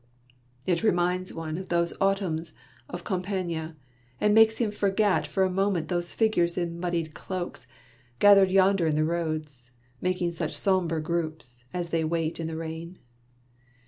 It reminds one of those autumns of Compiegne, and makes him forget for a moment those figures in muddied cloaks, gathered yonder in the roads, making such sombre groups, as they wait in the rain.